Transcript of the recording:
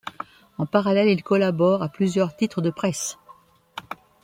En parallèle, il collabore à plusieurs titres de presse.